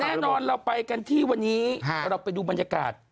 แน่นอนเราไปกันที่วันนี้เราไปดูบรรยากาศ